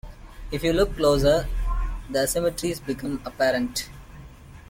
If you look closer the asymmetries become apparent.